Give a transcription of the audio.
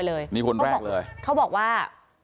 กระทั่งตำรวจก็มาด้วยนะคะ